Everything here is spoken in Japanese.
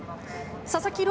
佐々木朗